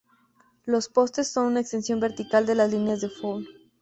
Los postes son una extensión vertical de las líneas de foul.